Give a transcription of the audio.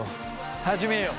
「始めよう」。